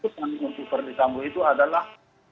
penghujung ferdisambo itu adalah